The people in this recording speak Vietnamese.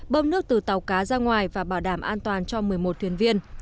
bơm nước từ tàu cá ra ngoài và bảo đảm an toàn cho một mươi một thuyền viên